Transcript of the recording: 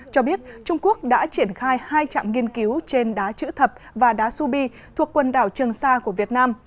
cho biết trung quốc đã triển khai hai trạm nghiên cứu trên đá chữ thập và đá subi thuộc quần đảo trường sa của việt nam